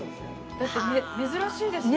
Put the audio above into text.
だって珍しいですよね。